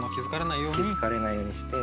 気付かれないようにして。